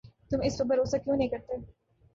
تم اس پر بھروسہ کیوں نہیں کرتے؟